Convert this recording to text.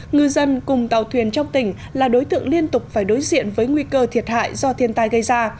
ngư dân cùng tàu thuyền trong tỉnh là đối tượng liên tục phải đối diện với nguy cơ thiệt hại do thiên tai gây ra